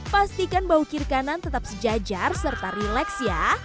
pastikan bau kiri kanan tetap sejajar serta rileks ya